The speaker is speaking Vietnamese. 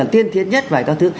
tiên tiến nhất và các thứ